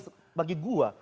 aku ngerti pak